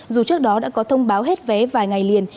dù trước đó đã có thông báo hết vé vài ngày liền